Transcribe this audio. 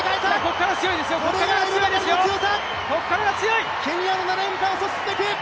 こっからが強い。